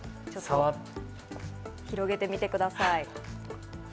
広げてみてください。